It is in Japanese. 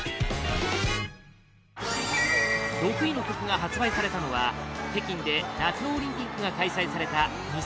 ６位の曲が発売されたのは北京で夏のオリンピックが開催された２００８年